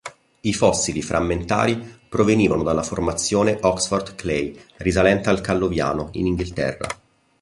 I fossili frammentari provenivano dalla formazione Oxford Clay, risalente al Calloviano, in Inghilterra.